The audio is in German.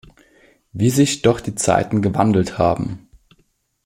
Wie sich doch die Zeiten gewandelt haben.